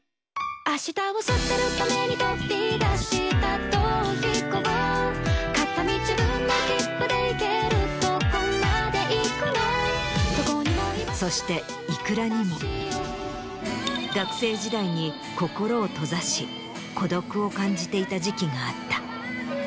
明日を捨てる為に飛び出した逃避行片道分の切符で行けるとこまで行くのそしてｉｋｕｒａにも学生時代に心を閉ざし孤独を感じていた時期があった。